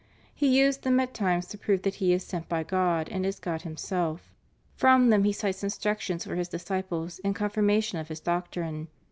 He uses them at times to prove that He is sent by God, and is God Himself. From them He cites instructions for His disciples and confirmation of His doctrine.